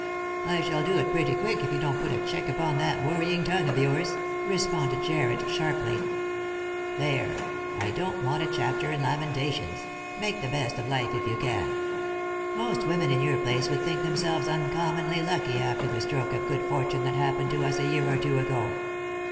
" I shall do it pretty quick, if you don't put a check upon that worrying tongue of yours," responded Jarred sharply. " There, I don't want a chapter in Lamentations — make the best of life, if you can. Most women in your place would think them selves uncommonly lucky after the stroke of good fortune that happened to us a year or two ago."